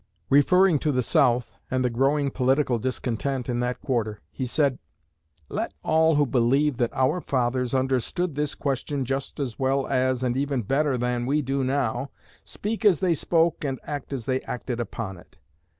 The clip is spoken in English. Referring to the South, and the growing political discontent in that quarter, he said: Let all who believe that our fathers understood this question just as well as, and even better than, we do now, speak as they spoke and act as they acted upon it.